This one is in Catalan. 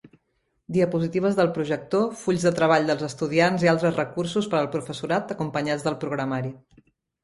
Diapositives del projector, fulls de treball dels estudiants i altres recursos per al professorat acompanyats del programari.